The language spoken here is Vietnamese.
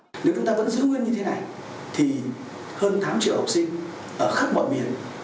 nếu chúng ta vẫn giữ nguyên như thế này thì hơn tám triệu học sinh ở khắp mọi miền